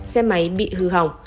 xe máy bị hư hỏng